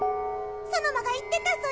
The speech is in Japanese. ソノマが言ってたソヨ。